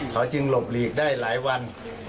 เขาจึงหลบหลีกได้หลายวัน